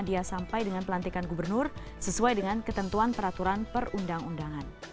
dia sampai dengan pelantikan gubernur sesuai dengan ketentuan peraturan perundang undangan